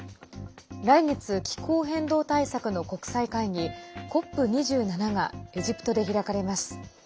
来月、気候変動対策の国際会議ＣＯＰ２７がエジプトで開かれます。